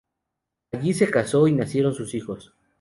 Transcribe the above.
Allí se casó y nacieron sus hijos.